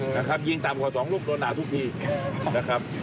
อ๋อคือนะครับยิงต่ำกว่า๒รูปโดนหนาทุกทีนะครับ